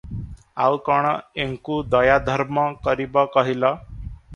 ଆଉ କଣ ଏଙ୍କୁ ଦୟାଧର୍ମ କରିବ କହିଲ?